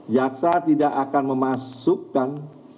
jaksa tidak akan memasukkan